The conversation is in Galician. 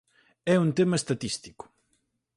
É un tema estatístico.